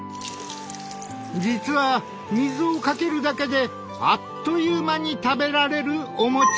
実は水をかけるだけであっという間に食べられるお餅。